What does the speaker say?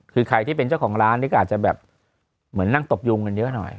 คือใครที่เป็นเจ้าของร้านนี่ก็อาจจะแบบเหมือนนั่งตบยุงกันเยอะหน่อย